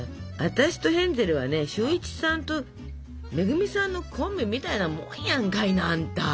私とヘンゼルはね俊一さんと恵さんのコンビみたいなもんやんかいなあんた。